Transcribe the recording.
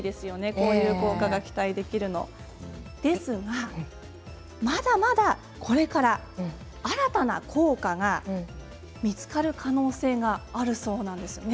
こういう効果が期待できるんですがまだまだこれから新たな効果が見つかる可能性があるそうですね。